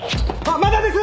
まだです！